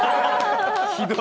ひどい！